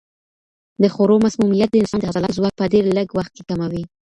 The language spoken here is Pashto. د خوړو مسمومیت د انسان د عضلاتو ځواک په ډېر لږ وخت کې کموي.